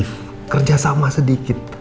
dan bekerja sama sedikit